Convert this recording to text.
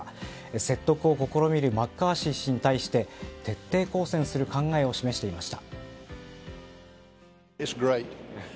説得を試みるマッカーシー氏に対して徹底抗戦する考えを示していました。